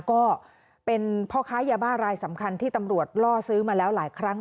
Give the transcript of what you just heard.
ก็เป็นพ่อค้ายาบ้ารายสำคัญที่ตำรวจล่อซื้อมาแล้วหลายครั้ง